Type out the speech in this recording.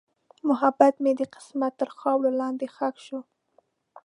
محبت مې د قسمت تر خاورو لاندې ښخ شو.